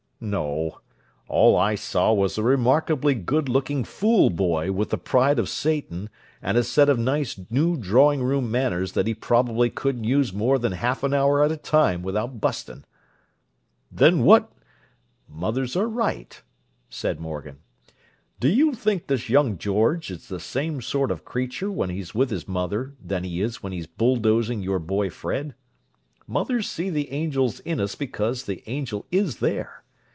"No. All I saw was a remarkably good looking fool boy with the pride of Satan and a set of nice new drawing room manners that he probably couldn't use more than half an hour at a time without busting." "Then what—" "Mothers are right," said Morgan. "Do you think this young George is the same sort of creature when he's with his mother that he is when he's bulldozing your boy Fred? Mothers see the angel in us because the angel is there.